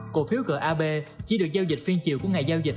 cổ phiếu gab chỉ được giao dịch phiên chiều của ngày giao dịch